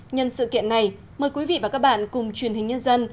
nhân sự kiện này mời quý vị và các bạn cùng truyền hình nhân dân